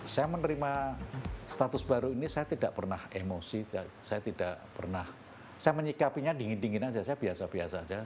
saya menerima status baru ini saya tidak pernah emosi saya tidak pernah saya menyikapinya dingin dingin saja saya biasa biasa saja